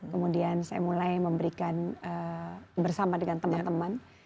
kemudian saya mulai memberikan bersama dengan teman teman